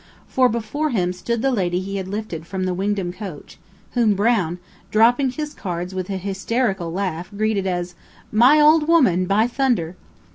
For before him stood the lady he had lifted from the Wingdam coach, whom Brown dropping his cards with a hysterical laugh greeted as: "My old woman, by thunder!"